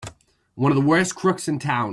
One of the worst crooks in town!